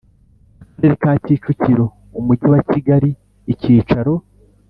Akarere ka Kicukiro Umujyi wa Kigali Icyicaro